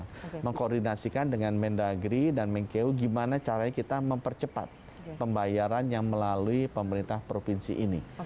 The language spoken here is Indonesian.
kita mengkoordinasikan dengan mendagri dan mengkeu gimana caranya kita mempercepat pembayaran yang melalui pemerintah provinsi ini